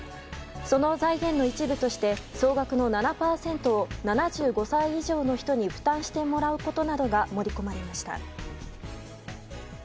その財源の一部として総額の７％を７５歳以上の人に負担してもらうことなどが盛り込まれました。